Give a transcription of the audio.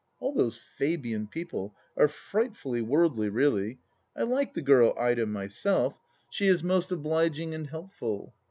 All those Fabian people are frightfully worldly, really. I like the girl Ida, myself: she is most 24 THE LAST DITCH obliging and helpful.